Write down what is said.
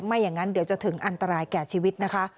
ไม่อย่างนั้นเดี๋ยวจะถึงอันตรายแก่ชีวิตนะคะ